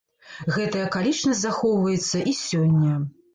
Гэтая акалічнасць захоўваецца і сёння.